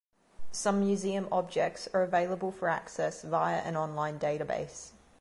Some museum objects are available for access via an online database.